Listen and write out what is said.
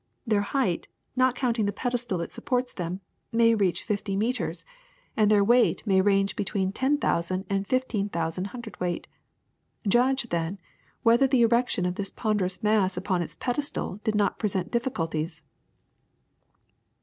Their height, not counting the pedestal that supports them, may reach fifty meters, M THE SECRET OF EVERYDAY THINGS and their weight may range between ten thousand and fifteen thousand hundredweight. Judge, then, whether the erection of this ponderous mass upon its pedestal did not present difficulties.